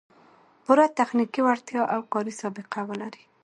پوره تخنیکي وړتیا او کاري سابقه و لري